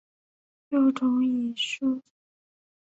幼虫以禾本科植物作寄主。